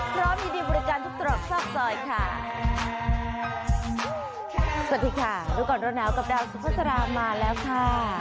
พร้อมยินดีบริการทุกตรอกซอกซอยค่ะสวัสดีค่ะรู้ก่อนร้อนหนาวกับดาวสุภาษามาแล้วค่ะ